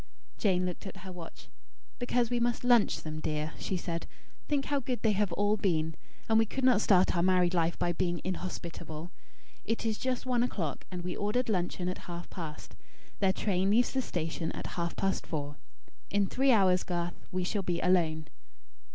Jane looked at her watch. "Because we must lunch them, dear," she said. "Think how good they have all been. And we could not start our married life by being inhospitable. It is just one o'clock; and we ordered luncheon at half past. Their train leaves the station at half past four. In three hours, Garth, we shall be alone."